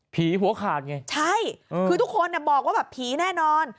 หัวขาดไงใช่คือทุกคนบอกว่าแบบผีแน่นอน